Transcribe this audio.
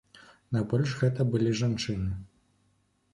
Найбольш гэта былі жанчыны.